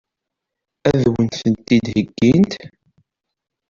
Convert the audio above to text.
Ad wen-tent-id-heggint?